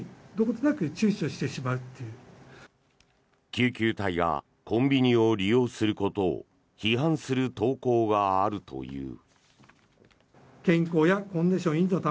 救急隊がコンビニを利用することを批判する投稿があるという。